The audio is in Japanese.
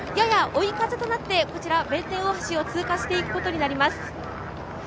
やや追い風となって、こちら、弁天大橋を通過していくことになります。